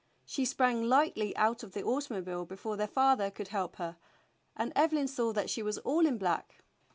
She sprang lightly out of the automo bile before their father could help her, and Evelyn saw that she was all in black.